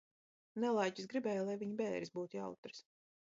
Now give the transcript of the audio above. Nelaiķis gribēja, lai viņa bēres būtu jautras.